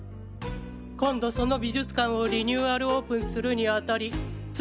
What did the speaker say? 今度その美術館をリニューアルオープンするにあたり堆